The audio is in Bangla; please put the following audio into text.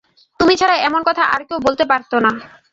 তুমি ছাড়া এমন কথা আর কেউ বলতে পারত না।